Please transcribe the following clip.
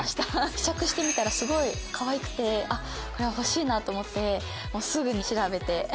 試着してみたらすごいかわいくてこれは欲しいなと思ってもうすぐに調べて。